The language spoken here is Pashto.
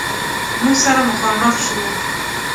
موږ سره مخامخ شو.